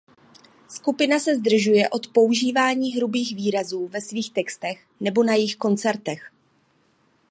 Skupina se zdržuje od používání hrubých výrazů ve svých textech nebo na jejich koncertech.